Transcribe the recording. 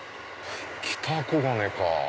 北小金か。